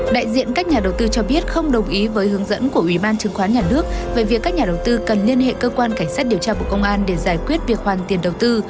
đại diện các nhà đầu tư cho biết không đồng ý với hướng dẫn của ủy ban chứng khoán nhà nước về việc các nhà đầu tư cần liên hệ cơ quan cảnh sát điều tra bộ công an để giải quyết việc hoàn tiền đầu tư